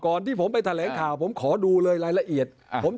ที่ผมไปแถลงข่าวผมขอดูเลยรายละเอียดผม